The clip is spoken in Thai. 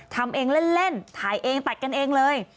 ทำเองเล่นถ่ายเองตัดกันเองเลย